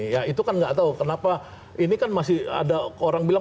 ya itu kan nggak tahu kenapa ini kan masih ada orang bilang